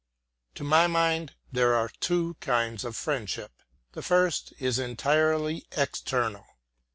To my mind there are two kinds of friendship. The first is entirely external.